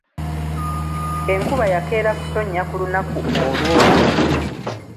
Enkuba yakeera kutonnya ku lunaku olwo.